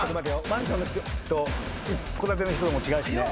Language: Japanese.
マンションの人と一戸建ての人とも違うしね。